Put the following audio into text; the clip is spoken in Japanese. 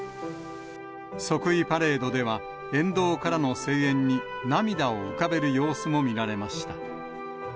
即位パレードでは、沿道からの声援に涙を浮かべる様子も見られました。